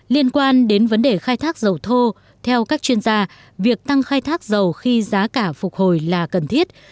liên quan đến vấn đề khai thác dầu thô theo các chuyên gia việc tăng khai thác dầu khi giá cả phục hồi là cần thiết